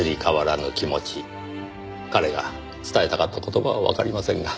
彼が伝えたかった言葉はわかりませんが。